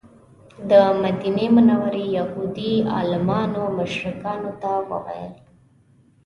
د مدینې منورې یهودي عالمانو مشرکانو ته وویل.